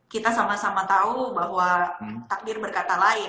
kita sama sama tahu bahwa takdir berkata lain